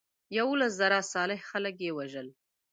یولس زره صالح خلک یې وژل.